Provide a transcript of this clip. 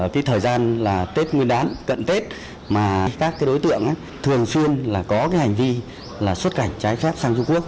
cái thời gian là tết nguyên đán cận tết mà các cái đối tượng thường xuyên là có cái hành vi là xuất cảnh trái phép sang trung quốc